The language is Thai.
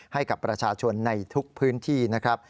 ให้กับประชาชนในทุกพื้นที่นะครับ